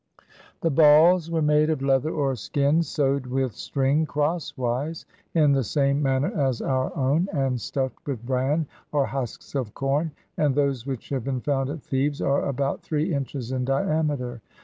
The balls were made of leather or skin, sewed with string, crosswise, in the same manner as our own, and stuffed with bran, or husks of com; and those which have been found at Thebes are about three inches in di ameter.